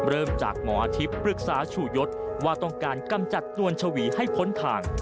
เริ่มจากหมออาทิตย์ปรึกษาชูยศว่าต้องการกำจัดนวลชวีให้พ้นทาง